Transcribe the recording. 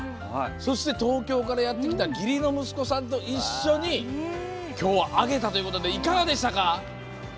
そして、東京からやってきた義理の息子さんと一緒に今日は揚げたということでいかがでしたか？